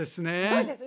そうです。